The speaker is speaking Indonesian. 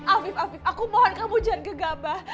afif afif aku mohon kamu jangan gegabah